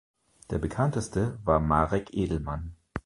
Der bekannteste war Marek Edelman.